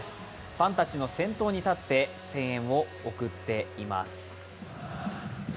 ファンたちの先頭に立って声援を送っています。